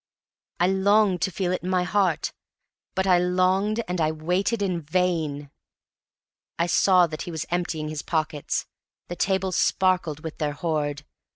I longed to feel it in my heart. But I longed and I waited in vain! I saw that he was emptying his pockets; the table sparkled with their hoard.